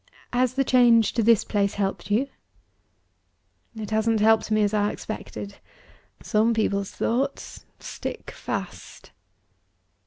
Has the change to this place helped you?" "It hasn't helped me as I expected. Some people's thoughts stick fast."